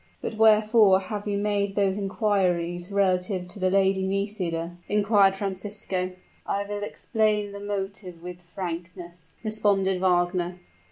"But wherefore have you made those inquiries relative to the Lady Nisida?" inquired Francisco. "I will explain the motive with frankness," responded Wagner.